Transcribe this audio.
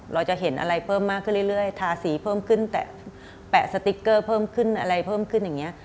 เราจะเห็นอะไรเพิ่มมากขึ้นเรื่อยทาสีเพิ่มขึ้นแตะสติ๊กเกอร์เพิ่มขึ้นอะไรเพิ่มขึ้นอย่างนี้